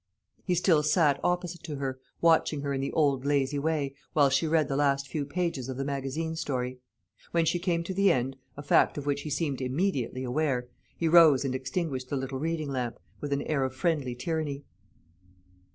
He still sat opposite to her, watching her in the old lazy way, while she read the last few pages of the magazine story. When she came to the end, a fact of which he seemed immediately aware, he rose and extinguished the little reading lamp, with an air of friendly tyranny.